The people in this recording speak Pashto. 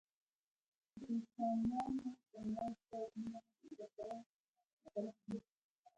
د انسانانو ترمنځ باید مينه خپره سي.